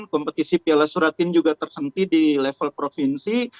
kompetisi piala suratin juga terhenti di level provinsi